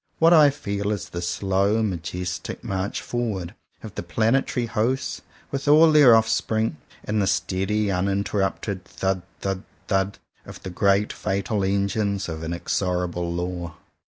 What I feel is the slow majestic march forward of the planetary hosts with all their offspring; and the steady uninterrupted thud thud thud of the great fatal Engines of Inexorable Law.